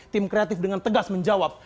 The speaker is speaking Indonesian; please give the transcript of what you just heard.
tim kreatif dengan tegas menjawab